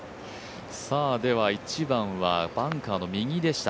１番はバンカーの右でした。